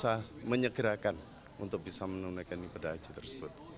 sehingga kami berusaha menyegerakan untuk bisa menunaikan ibadah haji tersebut